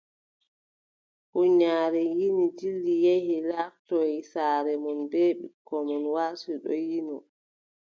Huunyaare yini dilli yehi laartoy saare mum bee ɓikkon mum warti ɗon yino.